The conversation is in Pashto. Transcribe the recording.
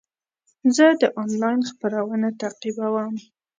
زه د انلاین خپرونه تعقیبوم.